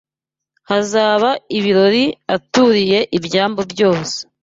Hazaba ibirori Aturiye ibyambu byose